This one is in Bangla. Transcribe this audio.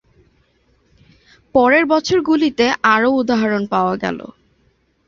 পরের বছরগুলিতে আরও উদাহরণ পাওয়া গেল।